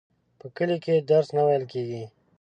په کلي کي درس نه وویل کیږي.